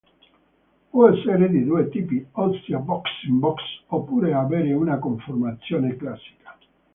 Può essere di due tipi, ossia "box in box", oppure avere una conformazione classica.